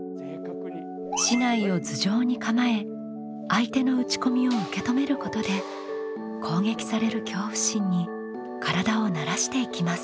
竹刀を頭上に構え相手の打ち込みを受け止めることで攻撃される恐怖心に体を慣らしていきます。